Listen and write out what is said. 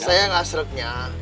saya gak seriknya